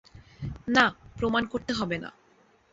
না, প্রমাণ করতে হবে না।